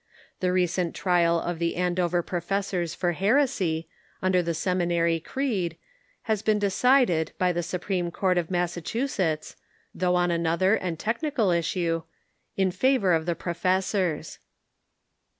The recent trial of the Andover j^rofessors for heresy, under the Seminary creed, has been decided by the Supreme Court of Massachusetts — though on another and technical issue — in favor of the pi'ofessors.